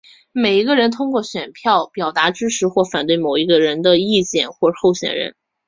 每一个人通过选票表达支持或反对某一意见或候选人。